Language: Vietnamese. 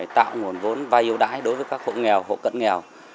tạo nguồn vốn vay ưu đãi đối với các hộ nghèo hộ cận nghèo